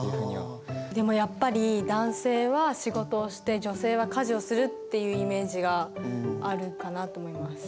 でもやっぱり「男性は仕事をして女性は家事をする」っていうイメージがあるかなと思います。